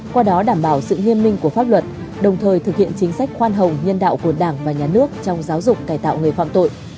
qua đó đảm bảo sự nghiêm minh của pháp luật đồng thời thực hiện chính sách khoan hồng nhân đạo của đảng và nhà nước trong giáo dục cài tạo người phạm tội